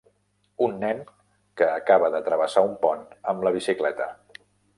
Un nen que acaba de travessar un pont amb la bicicleta.